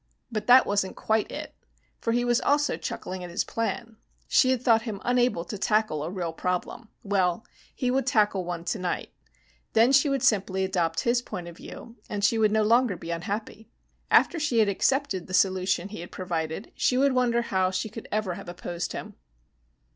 But that wasn't quite it. For he was also chuckling at his plan. She had thought him unable to tackle a real problem. Well, he would tackle one tonight. Then she would simply adopt his point of view, and she would no longer be unhappy. After she had accepted the solution he had provided, she would wonder how she could ever have opposed him.